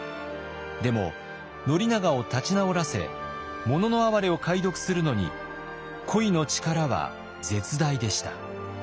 でも宣長を立ち直らせ「もののあはれ」を解読するのに恋の力は絶大でした。